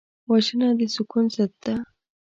وژنه د سکون ضد ده